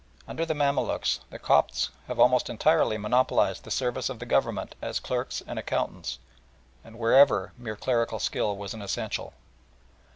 Under the Mamaluks the Copts almost entirely monopolised the service of the Government as clerks and accountants, and wherever mere clerical skill was an essential.